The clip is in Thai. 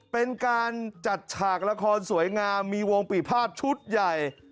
เป็นการจัดฉากละครสวยงามมีวงปีภาพชุดใหญ่